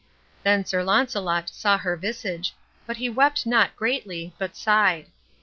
Then Sir Launcelot saw her visage, but he wept not greatly, but sighed.